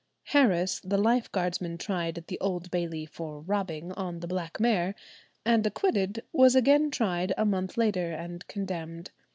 Harris, the lifeguardsman tried at the Old Bailey for robbing "on the black mare" and acquitted, was again tried a month later, and condemned.